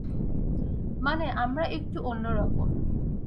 মানে আমরা একটু অন্যরকম।